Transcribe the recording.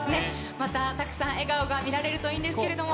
またたくさん笑顔が見られるといいんですけれども。